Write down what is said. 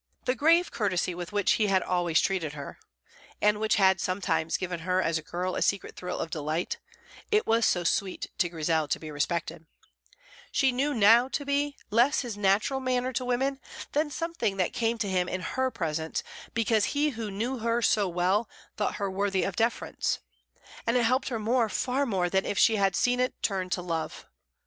The grave courtesy with which he had always treated her and which had sometimes given her as a girl a secret thrill of delight, it was so sweet to Grizel to be respected she knew now to be less his natural manner to women than something that came to him in her presence because he who knew her so well thought her worthy of deference; and it helped her more, far more, than if she had seen it turn to love.